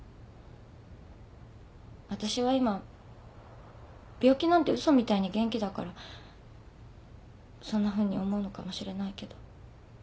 わたしは今病気なんて嘘みたいに元気だからそんなふうに思うのかもしれないけど。